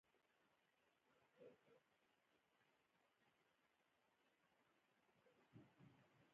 ګرد او غبار د څراغونو رڼاوې ژېړ بخونې کړې وې.